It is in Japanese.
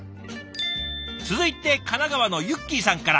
続いて神奈川のゆっきーさんから。